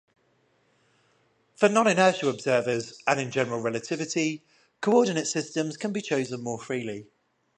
For non-inertial observers, and in general relativity, coordinate systems can be chosen more freely.